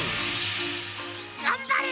がんばれ！